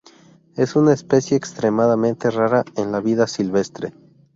Es una especie extremadamente rara en la vida silvestre.